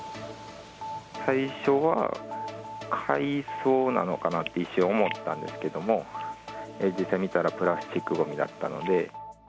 最初は、海藻なのかなと一瞬思ったんですけども、実際見たら、プラスチックごみだったので。